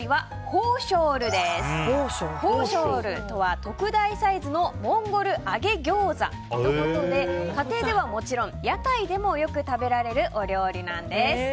ホーショールとは特大サイズのモンゴル揚げギョーザのことで家庭ではもちろん屋台でも食べられるお料理なんです。